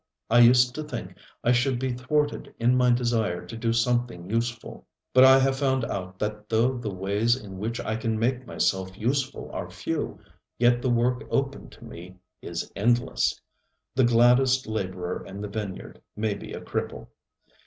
I used to think I should be thwarted in my desire to do something useful. But I have found out that though the ways in which I can make myself useful are few, yet the work open to me is endless. The gladdest laborer in the vineyard may be a cripple.